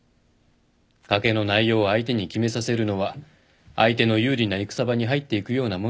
賭けの内容を相手に決めさせるのは相手の有利な戦場に入っていくようなものです。